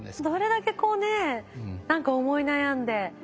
どれだけこうね何か思い悩んで。